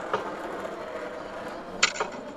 তোমাকে নিয়ে মুভি দেখতে যাব না।